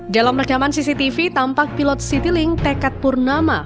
dalam rekaman cctv tampak pilot citilink tekat purnama